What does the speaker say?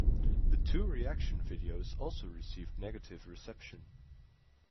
The two reaction videos also received negative reception.